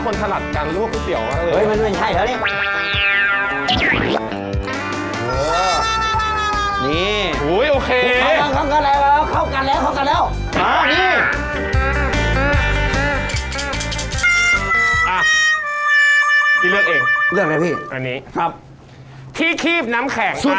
พรรดย์ชมตลขาด